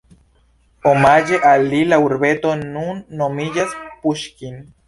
Omaĝe al li la urbeto nun nomiĝas Puŝkin.